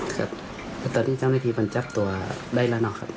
ครับแต่ตอนนี้จ้างแม่ทีมันจับตัวได้แล้วเหรอครับ